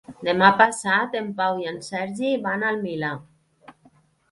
Demà passat en Pau i en Sergi van al Milà.